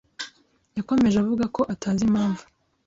Yakomeje avuga ko atazi impamvu